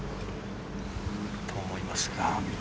だと思いますが。